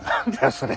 それ！